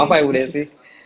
apa ya bu desi